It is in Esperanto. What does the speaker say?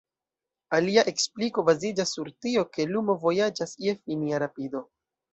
Alia ekspliko baziĝas sur tio, ke lumo vojaĝas je finia rapido.